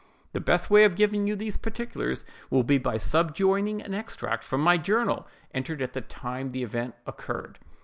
"The best way of giving you these particulars, will be by subjoining an extract from my journal, entered at the time the event occurred.